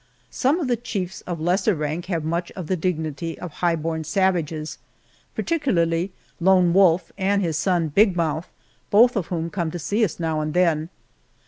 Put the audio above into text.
Some of the chiefs of lesser rank have much of the dignity of high born savages, particularly Lone Wolf and his son Big Mouth, both of whom come to see us now and then.